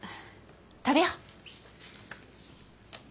食べよう。